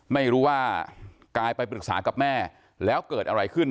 ไม่รู้ว่ากายไปปรึกษากับแม่แล้วเกิดอะไรขึ้น